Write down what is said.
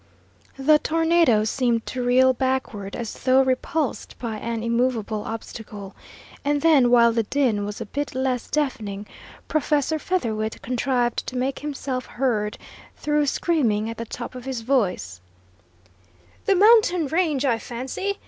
The tornado seemed to reel backward, as though repulsed by an immovable obstacle, and then, while the din was a bit less deafening, Professor Featherwit contrived to make himself heard, through screaming at the top of his voice: "The mountain range, I fancy!